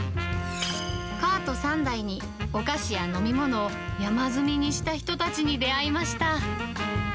カート３台にお菓子や飲み物を山積みにした人たちに出会いました。